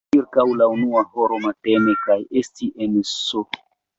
ĉirkaŭ la unua horo matene kaj esti en S.